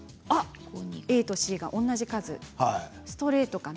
ＡとＣが同じ。